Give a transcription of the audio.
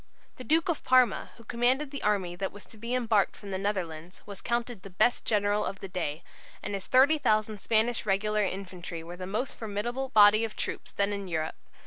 The Duke of Parma, who commanded the army that was to be embarked from the Netherlands, was counted the best general of the day, and his 30,000 Spanish regular infantry were the most formidable body of troops then in Europe.